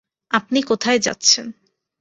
আপনি কোথায় যাচ্ছেন?